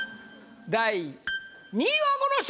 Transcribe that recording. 第２位はこの人！